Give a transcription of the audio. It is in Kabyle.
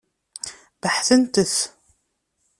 Beḥtent-t.